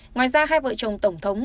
ngoài ra hai vợ chồng tổng thống